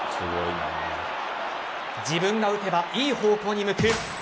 自分が打てば良い方向に向く。